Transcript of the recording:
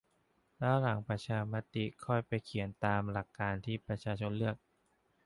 แล้วหลังประชามติค่อยไปเขียนตามหลักการที่ประชาชนเลือก